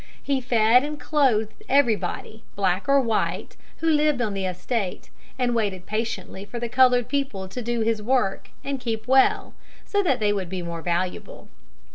He fed and clothed everybody, black or white, who lived on the estate, and waited patiently for the colored people to do his work and keep well, so that they would be more valuable.